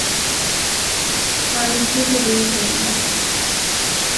মানিকঝুড়িতে এ দুর্ঘটনা ঘটে।